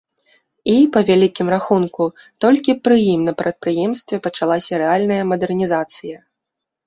І, па вялікім рахунку, толькі пры ім на прадпрыемстве пачалася рэальная мадэрнізацыя.